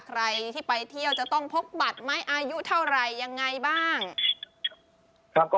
ใครที่ไปเที่ยวจะต้องพกบัตรไหมอายุเท่าไหร่ยังไงบ้าง